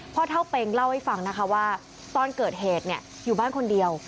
เท่าเป็งเล่าให้ฟังนะคะว่าตอนเกิดเหตุอยู่บ้านคนเดียว